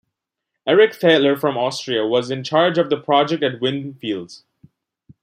Eric Thaler from Austria was in charge of the project at Winfield's.